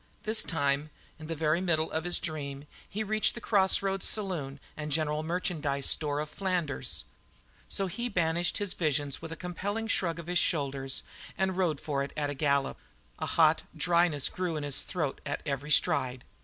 This time, in the very middle of his dream, he reached the cross roads saloon and general merchandise store of Flanders; so he banished his visions with a compelling shrug of the shoulders and rode for it at a gallop, a hot dryness growing in his throat at every stride.